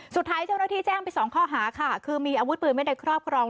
สุดท้ายเจ้าหน้าที่แจ้งไปสองข้อหาค่ะคือมีอาวุธปืนไว้ในครอบครอง